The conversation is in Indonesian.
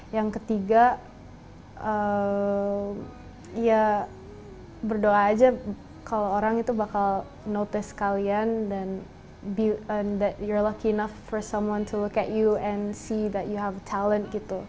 yang ketiga ya berdoa aja kalau orang itu bakal notice kalian dan that you're lucky enough for someone to look at you and see that you have talent gitu